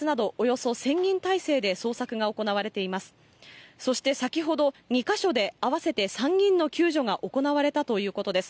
そして先ほど２か所で、合わせて３人の救助が行われたということです。